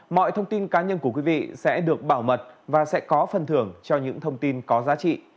mọi thông tin cá nhân của quý vị sẽ được bảo mật và sẽ có phần thưởng cho những thông tin có giá trị